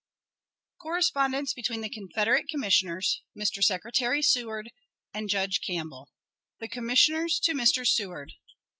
CORRESPONDENCE BETWEEN THE CONFEDERATE COMMISSIONERS, MR. SECRETARY SEWARD AND JUDGE CAMPBELL. _The Commissioners to Mr. Seward.